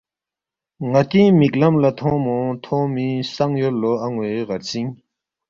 ناتی مک لم لا تھونگمونگ تھونگمی سنگ یود لو اَنوے غرژینگ